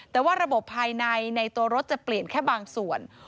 แต่ว่าระบบภายในในตัวรถจะเปลี่ยนแค่บางส่วน